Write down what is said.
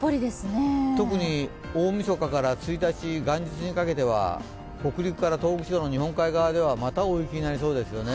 特に大みそかから元日にかけては北陸から東北地方の日本海側ではまた大雪になりそうですよね。